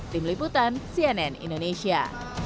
tim liputan cnn indonesia